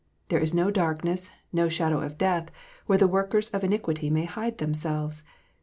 There is no darkness, nor shadow of death, where the workers of iniquity may hide themselves."